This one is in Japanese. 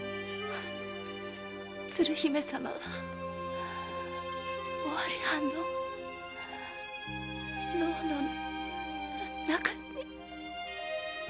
鶴姫様は尾張藩の牢の中に。